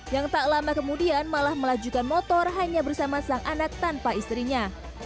yang tak lama kemudian malah melajukan motor hanya bersama sang anak tanpa istrinya